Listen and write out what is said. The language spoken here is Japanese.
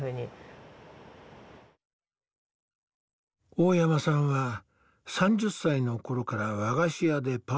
大山さんは３０歳の頃から和菓子屋でパートを始めた。